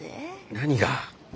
何が？